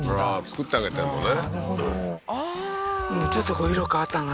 作ってあげてるのね